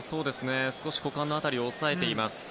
少し股間の辺りを押さえています。